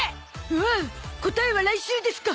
おお答えは来週ですか